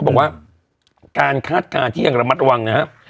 ไม่ว่าการทะลาดที่ยังระมัดระวังนะฮะ